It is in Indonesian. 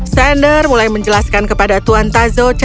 sander mulai menjelaskan kepada tuan tasso cara mengecatnya